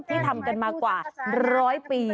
ที่ทำกันมากว่า๑๐๐ปี